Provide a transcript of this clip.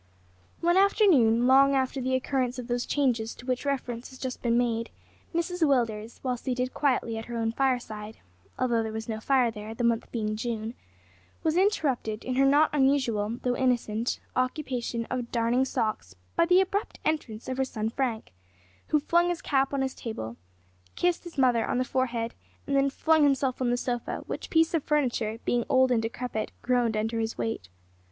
One afternoon, long after the occurrence of those changes to which reference has just been made, Mrs Willders, while seated quietly at her own fireside (although there was no fire there, the month being June), was interrupted in her not unusual, though innocent, occupation of darning socks by the abrupt entrance of her son Frank, who flung his cap on the table, kissed his mother on the forehead, and then flung himself on the sofa, which piece of furniture, being old and decrepit, groaned under his weight.